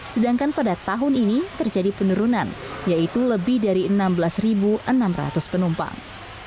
sedangkan pada tahun ini terjadi penurunan yaitu lebih dari enam belas enam ratus penumpang